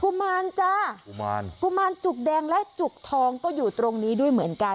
กุมารจ้ากุมารกุมารจุกแดงและจุกทองก็อยู่ตรงนี้ด้วยเหมือนกัน